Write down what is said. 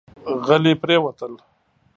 غلي پرېوتل.